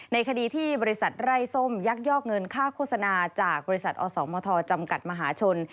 ในคดีที่บริษัทไร้ส้มยักยอกเงินค่าโฆษณาจากบริษัทอสมทจำกัดมหาชน